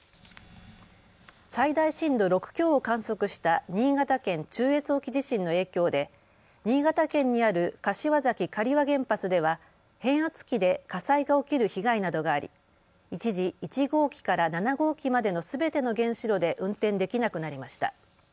最大震度６強を観測した新潟県中越沖地震の影響で新潟県にある柏崎刈羽原発では変圧器で火災が起きる被害などがあり一時、１号機から７号機までのすべての原子炉で運転できなくなりました。